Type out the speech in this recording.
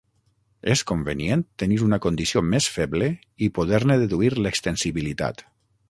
És convenient tenir una condició més feble i poder-ne deduir l'extensibilitat.